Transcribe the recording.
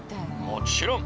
もちろん！